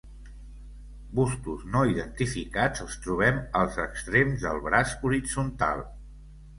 Bustos no identificats els trobem als extrems del braç horitzontal.